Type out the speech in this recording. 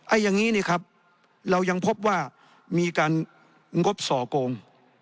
อันนี้นี่ครับเรายังพบว่ามีการงบส่อโกง